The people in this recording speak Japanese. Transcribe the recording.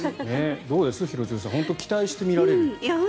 どうです、廣津留さん期待して見られる。